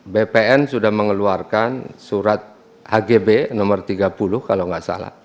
bpn sudah mengeluarkan surat hgb nomor tiga puluh kalau nggak salah